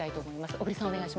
小栗さん。